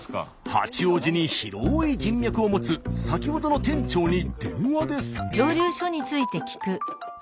八王子に広い人脈を持つ先ほどの店長に電話です。